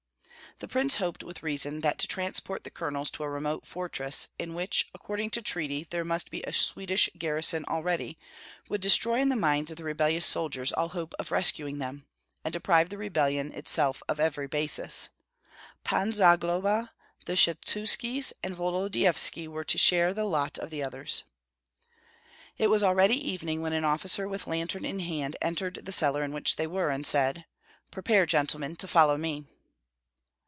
The prince hoped with reason that to transport the colonels to a remote fortress, in which, according to treaty, there must be a Swedish garrison already, would destroy in the minds of the rebellious soldiers all hope of rescuing them, and deprive the rebellion itself of every basis. Pan Zagloba, the Skshetuskis, and Volodyovski were to share the lot of the others. It was already evening when an officer with lantern in hand entered the cellar in which they were, and said, "Prepare, gentlemen, to follow me."